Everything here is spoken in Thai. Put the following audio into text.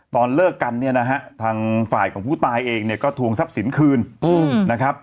ตอนเลิกกันเนี่ยนะฮะทางฝ่ายของผู้ตายเองเนี่ยก็ทวงทรัพย์สินคืนนะครับ